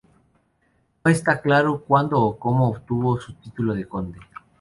No está claro cuándo o cómo obtuvo su título de conde.